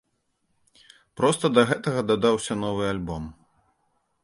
Проста да гэтага дадаўся новы альбом.